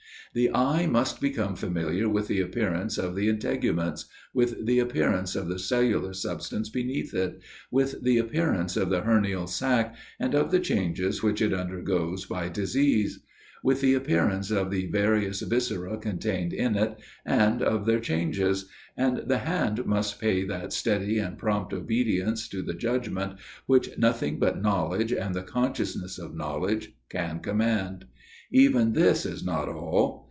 The eye must become familiar with the appearance of the integuments, with the appearance of the cellular substance beneath it, with the appearance of the hernial sac, and of the changes which it undergoes by disease; with the appearance of the various viscera contained in it, and of their changes: and the hand must pay that steady and prompt obedience to the judgment, which nothing but knowledge, and the consciousness of knowledge, can command. Even this is not all.